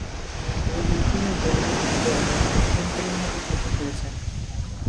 তবে ভিকটিমের যৌন অঙ্গ অভ্যন্তরীণভাবে ক্ষত হয়েছে।